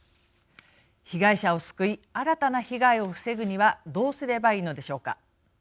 被害者を救い新たな被害を防ぐにはどうすればいいのでしょうか。